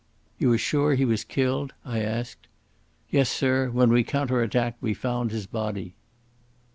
"You are sure he was killed?" I asked. "Yes, sirr. When we counter attacked we fund his body."